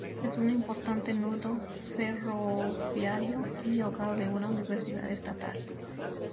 Es un importante nudo ferroviario y hogar de una universidad estatal.